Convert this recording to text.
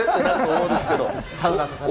サウナとかね。